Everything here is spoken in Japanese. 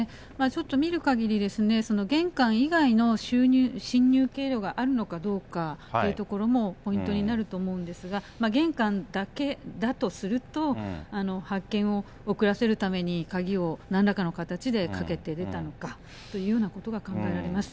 ちょっと見るかぎり、玄関以外の侵入経路があるのかどうかというところもポイントになると思うんですが、玄関だけだとすると、発見を遅らせるために、鍵をなんらかの形でかけて出たのかというようなことが考えられます。